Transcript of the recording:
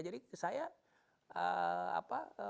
jadi saya apa